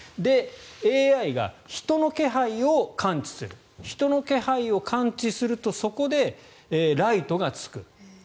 ＡＩが人の気配を感知する人の気配を感知するとそこでライトがつく。